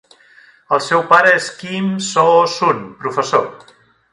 El seu pare és Kim Soo-Sun, professor.